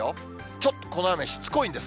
ちょっと、この雨しつこいんです。